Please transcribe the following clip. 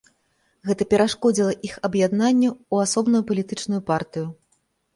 Гэта перашкодзіла іх аб'яднанню ў асобную палітычную партыю.